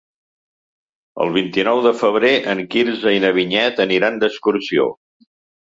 El vint-i-nou de febrer en Quirze i na Vinyet aniran d'excursió.